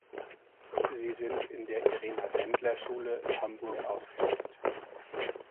Sie sind in der Irena-Sendler-Schule Hamburg ausgestellt.